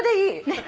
ねっ。